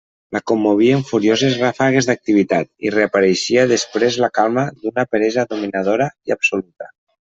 La commovien furioses ràfegues d'activitat i reapareixia després la calma d'una peresa dominadora i absoluta.